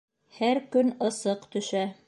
Һәр көн ысыҡ төшә